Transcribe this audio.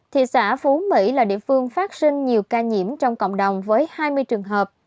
thị xã phú mỹ là địa phương phát sinh nhiều ca nhiễm trong cộng đồng với hai mươi trường hợp